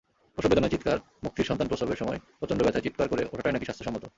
প্রসববেদনায় চিত্কার মুক্তিরসন্তান প্রসবের সময় প্রচণ্ড ব্যথায় চিত্কার করে ওঠাটাই নাকি স্বাস্থ্যসম্মত।